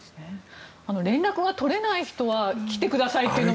連絡が取れない人は来てくださいというのも。